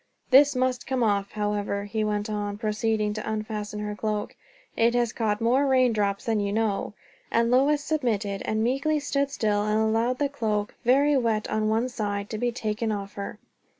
"This must come off, however," he went on, proceeding to unfasten her cloak; "it has caught more rain drops than you know." And Lois submitted, and meekly stood still and allowed the cloak, very wet on one side, to be taken off her.